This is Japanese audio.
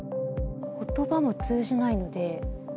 言葉も通じないので。